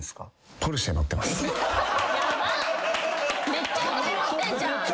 めっちゃお金持ってんじゃん。